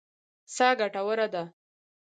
سا ګټوره ده.